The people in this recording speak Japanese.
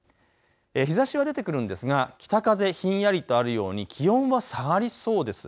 日ざしは出てくるんですが北風ひんやりとあるように気温は下がりそうです。